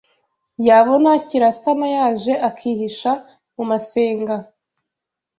Yabona Kirasana yaje akihisha mu masenga